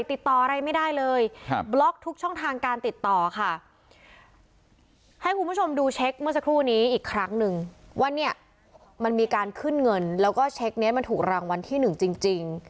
อีกครั้งหนึ่งว่าเนี่ยมันมีการขึ้นเงินแล้วก็เช็คเน็ตมันถูกรางวัลที่หนึ่งจริงจริง